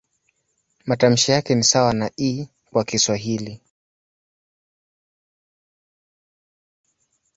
Matamshi yake ni sawa na "i" kwa Kiswahili.